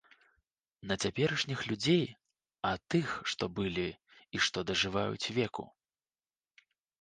Не цяперашніх людзей, а тых, што былі і што дажываюць веку.